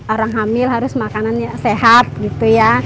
orang hamil harus makanan sehat gitu ya